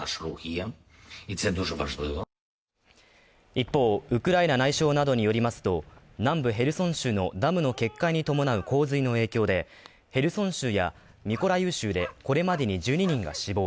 一方、ウクライナ内相などによりますと、南部ヘルソン州のダムの決壊に伴う洪水の影響でヘルソン州やミコライウ州で、これまでに１２人が死亡。